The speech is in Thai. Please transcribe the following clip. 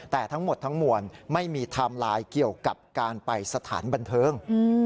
แต่ทั้งหมดทั้งมวลไม่มีไทม์ไลน์เกี่ยวกับการไปสถานบันเทิง